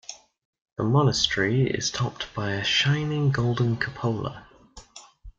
The monastery is topped by a shining golden cupola.